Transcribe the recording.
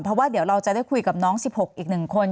เพราะว่าเดี๋ยวเราจะได้คุยกับน้อง๑๖อีก๑คน